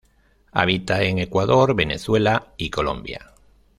Habita en Ecuador, Venezuela y Colombia.